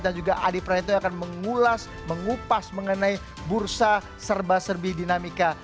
dan juga adi prateto yang akan mengulas mengupas mengenai bursa serba serbih dinamika